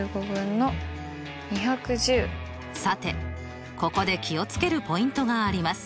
さてここで気を付けるポイントがあります。